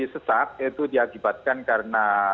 sesak itu diakibatkan karena